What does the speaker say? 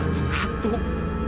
kau yang atuh